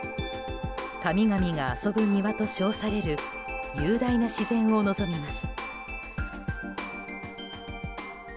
神々が遊ぶ庭と称される雄大な自然を望みます。